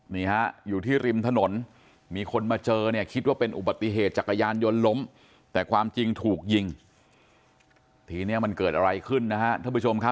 นี่ฮะอยู่ที่ริมถนนมีคนมาเจอเนี่ยคิดว่าเป็นอุบัติเหตุจักรยานยนต์ล้มแต่ความจริงถูกยิงทีนี้มันเกิดอะไรขึ้นนะฮะท่านผู้ชมครับ